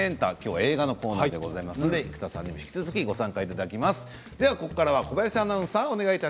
映画のコーナーですね生田さんにも、引き続きご参加いただきます。